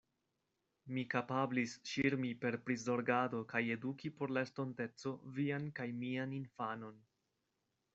Mi kapablis ŝirmi per prizorgado kaj eduki por la estonteco vian kaj mian infanon!